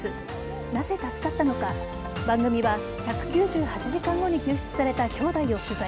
なぜ助かったのか、番組は１９８時間後に救出された兄弟を取材。